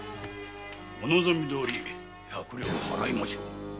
お望みどおり百両払いましょう。